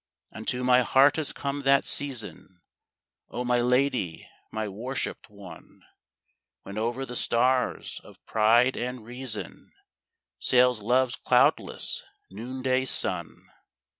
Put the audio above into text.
Unto my heart has come that season, O my lady, my worshiped one, When over the stars of Pride and Reason Sails Love's cloudless, noonday sun.